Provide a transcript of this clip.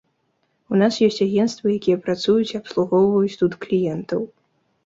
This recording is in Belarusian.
У нас ёсць агенцтвы, якія працуюць і абслугоўваюць тут кліентаў.